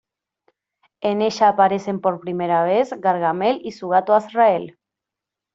En ella aparecen por primera vez Gargamel y su gato Azrael.